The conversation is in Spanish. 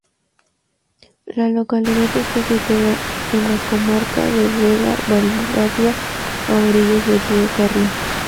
La localidad está situada en la comarca de Vega-Valdavia, a orillas del río Carrión.